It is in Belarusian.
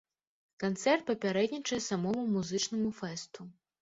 Канцэрт папярэднічае самому музычнаму фэсту.